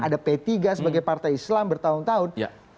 ada p tiga sebagai partai islam bertahun tahun